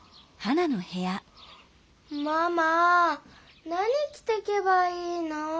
ママ何きてけばいいの？